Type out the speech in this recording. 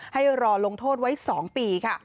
ให้รอลงโทษไว้๒ปีค่ะ